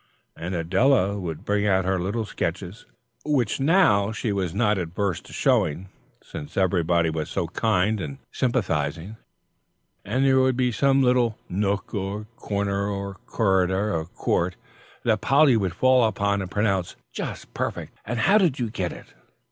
And Adela would bring out her little sketches, which now she was not averse to showing, since everybody was so kind and sympathising, and there would be some little nook or corner of corridor or court that Polly would fall upon and pronounce, "Just perfect, and how did you get it?"